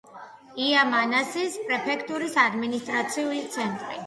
იამანასის პრეფექტურის ადმინისტრაციული ცენტრი.